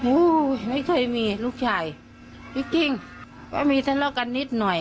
โอ้โหไม่เคยมีลูกชายจริงก็มีทะเลาะกันนิดหน่อย